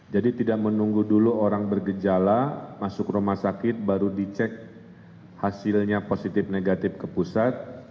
tidak menunggu dulu orang bergejala masuk rumah sakit baru dicek hasilnya positif negatif ke pusat